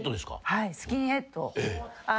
はいスキンヘッド。